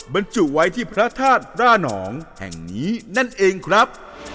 บรรจุไว้ที่พระธาตุร่านองแห่งนี้นั่นเองครับ